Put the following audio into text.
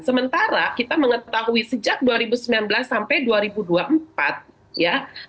sementara kita mengetahui sejak dua ribu sembilan belas sampai dua ribu dua puluh empat ya